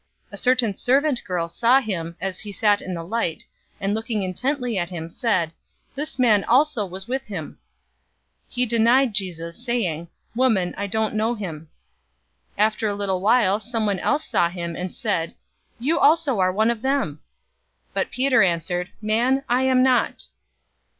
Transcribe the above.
022:056 A certain servant girl saw him as he sat in the light, and looking intently at him, said, "This man also was with him." 022:057 He denied Jesus, saying, "Woman, I don't know him." 022:058 After a little while someone else saw him, and said, "You also are one of them!" But Peter answered, "Man, I am not!"